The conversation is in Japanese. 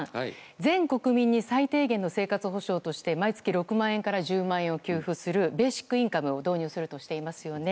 全国民に最低限の生活保障として毎月６万円から１０万円を給付するベーシックインカムを導入するとしていますよね。